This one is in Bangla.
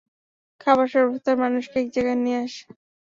খাবার সর্বস্তরের মানুষকে একজায়গায় নিয়ে আসে।